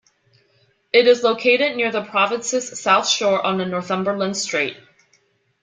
It is located near the province's south shore on the Northumberland Strait.